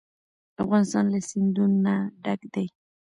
افغانستان له سیندونه ډک دی.